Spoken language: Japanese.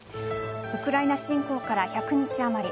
ウクライナ侵攻から１００日あまり。